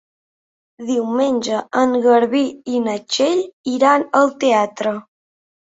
Diumenge en Garbí i na Txell iran al teatre.